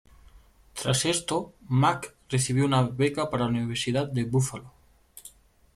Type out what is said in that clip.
Tras esto, Mack recibió una beca para la Universidad de Búfalo.